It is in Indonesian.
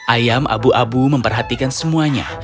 ayam abu abu memperhatikan semuanya